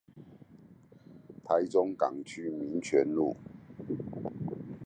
台中港區民族路